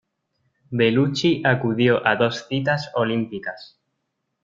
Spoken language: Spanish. Bellucci acudió a dos citas olímpicas.